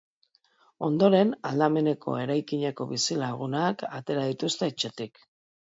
Ondoren, aldameneko eraikineko bizilagunak atera dituzte etxetik.